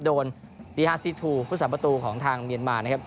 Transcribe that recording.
โดนตีฮาซีทูผู้สาประตูของทางเมียนมานะครับ